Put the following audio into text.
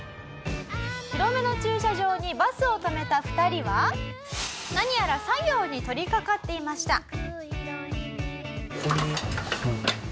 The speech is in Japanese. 広めの駐車場にバスを止めた２人は何やら作業に取り掛かっていました。